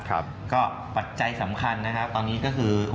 ก็ปัจจัยสำคัญนะครับตอนนี้ก็คือ